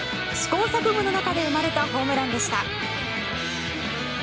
試行錯誤の中で生まれたホームランでした。